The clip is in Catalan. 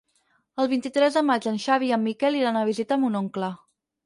El vint-i-tres de maig en Xavi i en Miquel iran a visitar mon oncle.